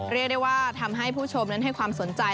เรียกได้ว่าทำให้ผู้ชมนั้นให้ความสนใจ